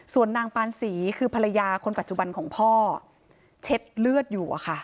ส่วนนางปานศรีคือภรรยาคนปัจจุบันของพ่อเช็ดเลือดอยู่